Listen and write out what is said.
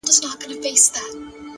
هره هڅه د بدلون څپه جوړوي،